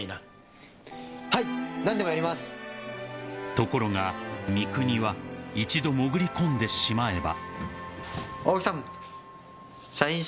［ところが三國は一度潜り込んでしまえば］